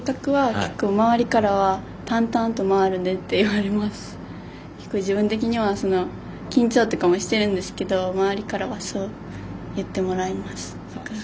結構、自分的には緊張とかもしてるんですけど周りからはそう言ってもらえます。